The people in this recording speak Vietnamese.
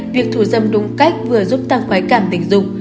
việc thù dâm đúng cách vừa giúp tăng quái cảm tình dục